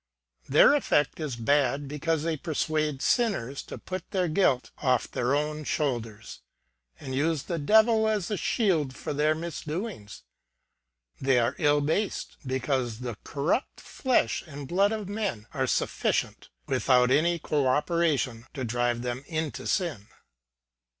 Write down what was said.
Their effect is bad, because they persuade sinners to put their guilt off their own shoulders and use the Devil as a shield for their misdoings. They are ill based, because the corrupt flesh and blood of men are sufficient, without any co operation, to drive 'them to sin.